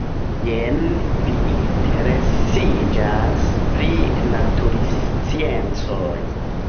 Jen vi interesiĝas pri natursciencoj.